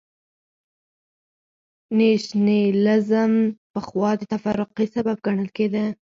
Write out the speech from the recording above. نېشنلېزم پخوا د تفرقې سبب ګڼل کېده.